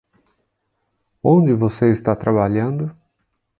Onde você está trabalhando?